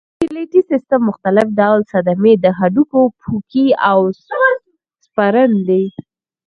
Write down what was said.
د سکلیټي سیستم مختلف ډول صدمې د هډوکو پوکی او سپرن دی.